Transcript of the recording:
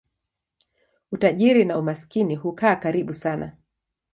Utajiri na umaskini hukaa karibu sana.